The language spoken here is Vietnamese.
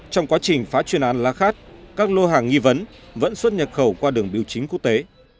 trong quá trình phá chuyên án lá khát các lô hàng nghi vấn vẫn xuất nhập khẩu qua đường biểu chính quốc tế